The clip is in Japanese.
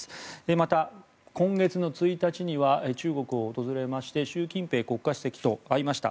また、今月１日には中国を訪れまして習近平国家主席と会いました。